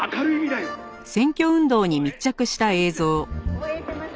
「応援してますよ」